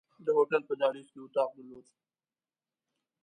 د هوټل په دهلیز کې یې اتاق درلود.